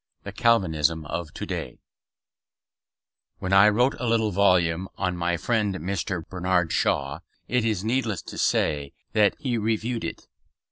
THE CALVINISM OF TO DAY When I wrote a little volume on my friend Mr. Bernard Shaw, it is needless to say that he reviewed it.